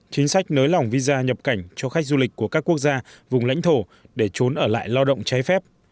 chính sách nới lỏng visa nhập cảnh cho khách du lịch của các quốc gia vùng lãnh thổ để trốn ở lại lao động trái phép